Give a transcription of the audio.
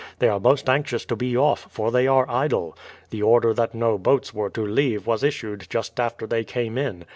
They are most anxious to be off, for they are idle. The order that no boats were to leave was issued just after they came in.